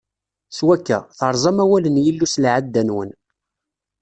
S wakka, terẓam awal n Yillu s lɛadda-nwen.